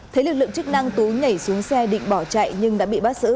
thấy lực lượng chức năng tú nhảy xuống xe định bỏ chạy nhưng đã bị bắt giữ